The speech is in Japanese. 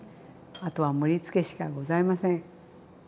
あとは盛りつけしかございません。